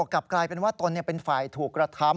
กลับกลายเป็นว่าตนเป็นฝ่ายถูกกระทำ